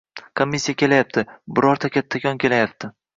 komissiya kelayapti, birorta kattakon kelayapti».